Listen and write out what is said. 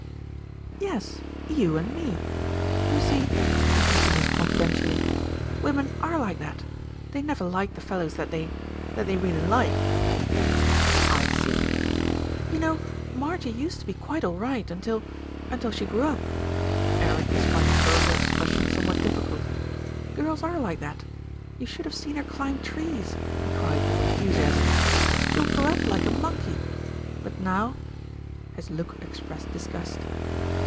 "Yes, you and me. You see," he continued confi dentially, "women are like that. They never like the fellows that they that they really like." 260 ERIC PLAYS A PART 261 "I see." "You know, Marjie used to be quite all right until, until she grew up." Eric was finding verbal expression somewhat difficult. "Girls are like that. You should have seen her climb trees," he cried with enthusiasm. "She would go up like a monkey ; but now " His look expressed disgust.